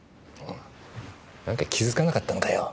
何か気づかなかったのかよ？